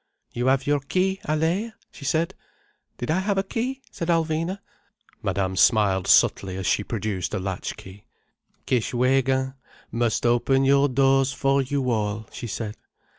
"You have your key, Allaye?" she said. "Did I have a key?" said Alvina. Madame smiled subtly as she produced a latch key. "Kishwégin must open your doors for you all," she said.